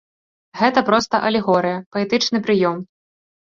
Гэта проста алегорыя, паэтычны прыём.